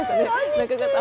中川さん。